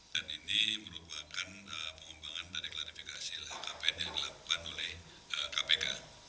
dan ini merupakan pengembangan dari klarifikasi kpn yang dilakukan oleh kpk